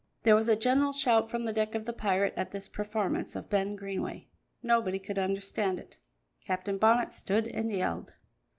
There was a general shout from the deck of the pirate at this performance of Ben Greenway. Nobody could understand it. Captain Bonnet stood and yelled.